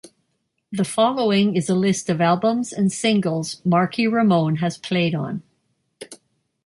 The following is a list of albums and singles Marky Ramone has played on.